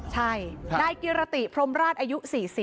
ใช่ได้เกียรติพรหมราชอายุ๔๐